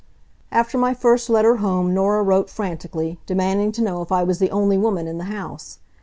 After my first letter home Norah wrote frantically, demanding to know if I was the only woman in the house.